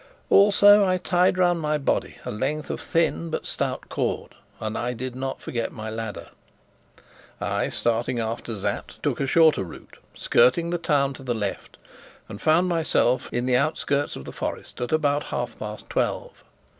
Also I tied round my body a length of thin but stout cord, and I did not forget my ladder. I, starting after Sapt, took a shorter route, skirting the town to the left, and found myself in the outskirts of the forest at about half past twelve.